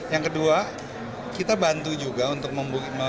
yang kedua kita bantu juga untuk